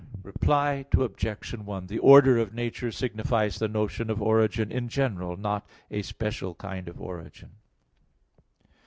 Reply Obj. 1: The order of nature signifies the notion of origin in general, not a special kind of origin.